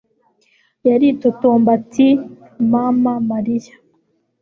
Yaritotomba ati: "Mama Mariya".